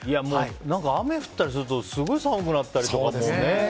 何か、雨降ったりするとすごい寒くなったりとかね。